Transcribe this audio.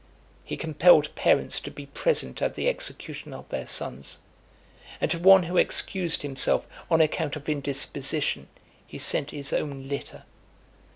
He compelled parents to be present at the execution of their sons; and to one who excused himself on account of indisposition, he sent his own litter.